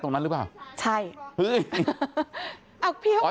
สุดท้ายเลยว่าแล้วแจ่วบองอ่ะ